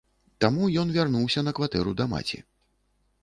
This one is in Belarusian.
Таму ён вярнуўся на кватэру да маці.